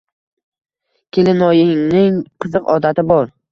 Kelinoyining qiziq odati bor.